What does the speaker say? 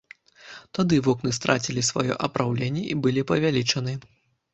Тады вокны страцілі сваё апраўленне і былі павялічаны.